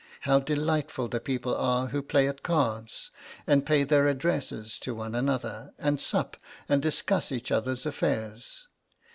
How delightful the people are who play at cards, and pay their addresses to one another, and sup, and discuss each other's affairs!